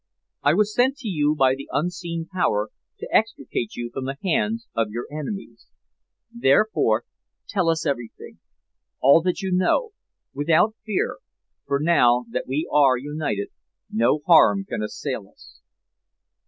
I was sent to you by the unseen power to extricate you from the hands of your enemies. Therefore tell us everything all that you know without fear, for now that we are united no harm can assail us."